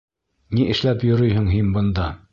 Ни эшләп йөрөйһөң һин бында?